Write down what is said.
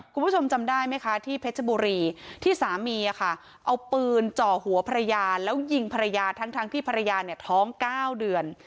คุณผู้ชมจำได้ไหมคะที่เพชรบุรีที่สามีอะค่ะเอาปืนเจาะหัวพระยาแล้วยิงพระยาทั้งทั้งที่พระยาเนี่ยท้องเก้าเดือน